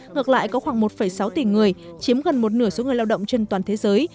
ngược lại có khoảng một sáu tỷ người chiếm gần một nửa số người lao động trên toàn thế giới